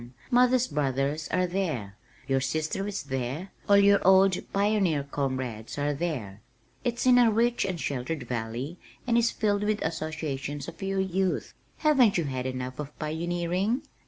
Mother's brothers are there, your sister is there, all your old pioneer comrades are there. It's in a rich and sheltered valley and is filled with associations of your youth. Haven't you had enough of pioneering?